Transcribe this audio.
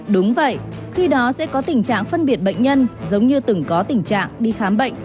đúng vậy khi đó sẽ có tình trạng phân biệt bệnh nhân giống như từng có tình trạng đi khám bệnh